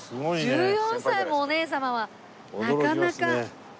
１４歳もお姉様はなかなか。